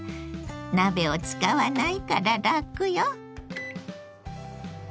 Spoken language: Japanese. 鍋を使わないからラクよ！